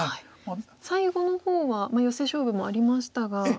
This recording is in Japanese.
最後の方はまあヨセ勝負もありましたが。